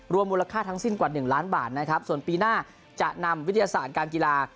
มูลค่าทั้งสิ้นกว่า๑ล้านบาทนะครับส่วนปีหน้าจะนำวิทยาศาสตร์การกีฬา